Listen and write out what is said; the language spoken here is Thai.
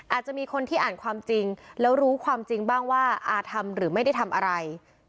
อาจจะมีคนที่อ่านความจริงแล้วรู้ความจริงบ้างว่าอาทำหรือไม่ได้ทำอะไร